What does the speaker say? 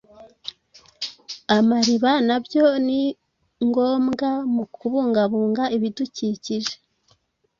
amariba na byo ni ngombwa mu kubungabunga ibidukikije.